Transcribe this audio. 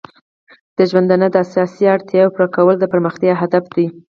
د ژوندانه د اساسي اړتیاو پوره کول د پرمختیا هدف دی.